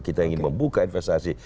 kita ingin membuka investasi